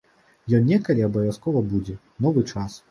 Ён некалі абавязкова будзе, новы час.